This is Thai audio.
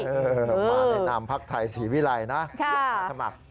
มาติดตามภักดิ์ไทยศรีวิรัยนะสมัคร